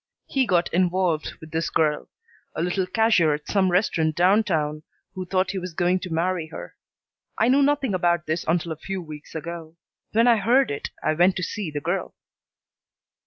He got involved with this girl, a little cashier at some restaurant downtown who thought he was going to marry her. I knew nothing about this until a few weeks ago. When I heard it, I went to see the girl."